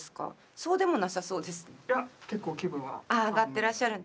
そうでもなさそうです？